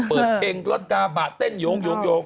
เปิดเพลงรถกาบะเต้นโยง